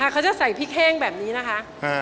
เขาจะใส่พริกแห้งแบบนี้นะคะ